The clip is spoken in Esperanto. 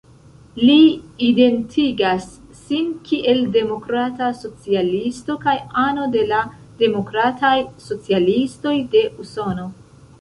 Li identigas sin kiel demokrata socialisto kaj ano de la Demokrataj Socialistoj de Usono.